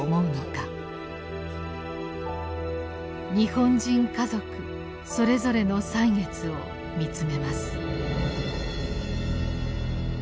日本人家族それぞれの歳月を見つめます。